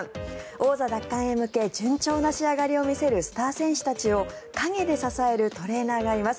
王座奪還へ向け順調な仕上がりを見せるスター選手たちを陰で支えるトレーナーがいます。